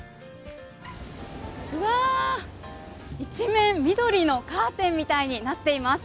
うわ、一面、緑のカーテンみたいになっています。